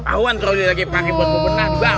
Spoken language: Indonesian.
tau kan kalau dia lagi pake bot bobot nah dibawa